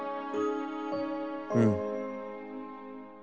『うん。